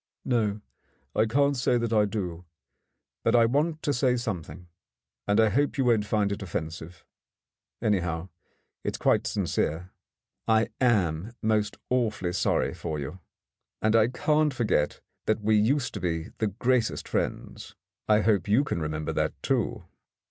"No, I can't say that I do. But I want to say something, and I hope you won't find it offensive. Anyhow, it is quite sincere. I am most awfully sorry for you. And I can't forget that we used to be 117 In the Dark the greatest friends. I hope you can remember that, too."